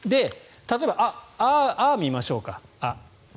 例えば「あ」を見ましょうか。